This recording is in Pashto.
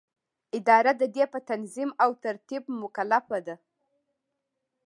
اداره د دې په تنظیم او ترتیب مکلفه ده.